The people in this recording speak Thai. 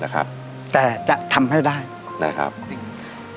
แต่จะทำให้ได้นะครับจริง